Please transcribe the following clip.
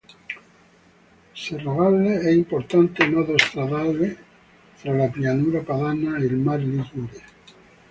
Serravalle è importante nodo stradale tra la pianura padana e il mar Ligure.